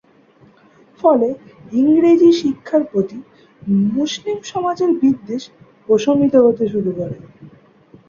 ফলে ইংরেজি শিক্ষার প্রতি মুসলিম সমাজের বিদ্বেষ প্রশমিত হতে শুরু করে।